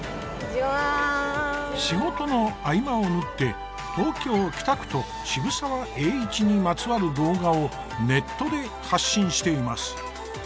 仕事の合間を縫って東京・北区と渋沢栄一にまつわる動画をネットで発信しています。